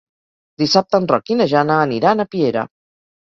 Dissabte en Roc i na Jana aniran a Piera.